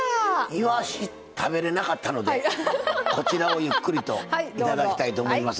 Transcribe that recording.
いわし食べれなかったのでこちらをゆっくりと頂きたいと思いますが。